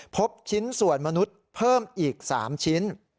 พบชิ้นส่วนมนุษย์เพิ่มอีก๓ชิ้น